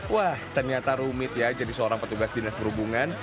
wah ternyata rumit ya jadi seorang petugas dinas perhubungan